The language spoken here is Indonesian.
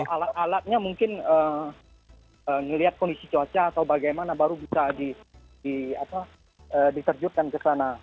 alat alatnya mungkin melihat kondisi cuaca atau bagaimana baru bisa diterjutkan ke sana